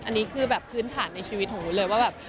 อันนี้คือพื้นฐานในชีวิตของหุ้นเลยว่า